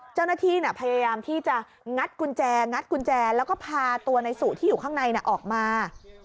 เจ้าหน้าที่พยายามที่จะงัดกุญแจงัดกุญแจแล้วก็พาตัวในสุที่อยู่ข้างในออกมา